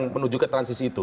menuju ke transisi itu